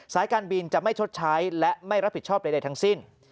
การบินจะไม่ชดใช้และไม่รับผิดชอบใดทั้งสิ้น